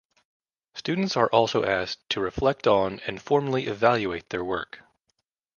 Students are also asked to reflect on and formally evaluate their work.